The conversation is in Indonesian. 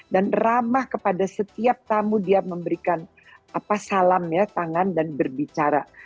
dan ramah kepada setiap tamu dia memberikan salam ya tangan dan berbicara